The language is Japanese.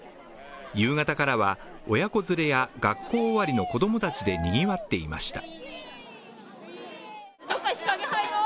夕方からは親子連れや学校終わりの子供たちでにぎわっていました。